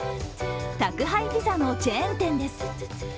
宅配ピザのチェーン店です。